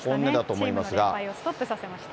チームの連敗をストップさせました。